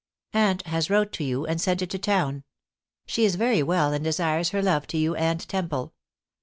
"Aunt has wrote to you, and sent it to town. She is very well, and desires her love to you and Temple.